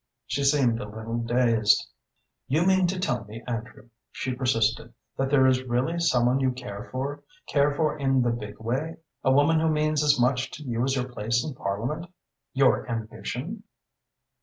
She seemed a little dazed. "You mean to tell me, Andrew," she persisted, "that there is really some one you care for, care for in the big way a woman who means as much to you as your place in Parliament your ambition?"